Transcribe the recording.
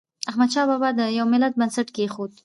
احمد شاه بابا د یو ملت بنسټ کېښود.